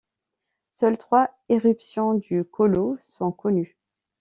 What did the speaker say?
Seules trois éruptions du Colo sont connues.